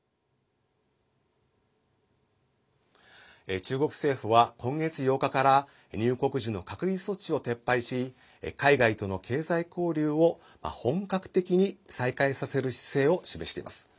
中国政府は今月８日から入国時の隔離措置を撤廃し海外との経済交流を本格的に再開させる姿勢を示しています。